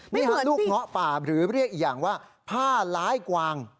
ไม่เหมือนสินี่ลูกง้อป่าหรือเรียกอีกอย่างว่าพ่าร้ายกวาง